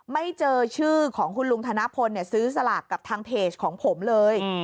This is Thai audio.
ไม่เจอชื่อของคุณลุงธนพลซื้อสลากกับทางเพจของผมเลย